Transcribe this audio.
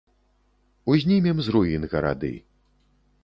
Узнімем з руін гарады.